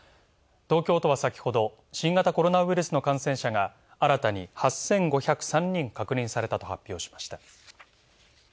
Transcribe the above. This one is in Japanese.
東京都は先ほど新型コロナウイルスの感染者が新たに８５０３人確認されたと発表しました。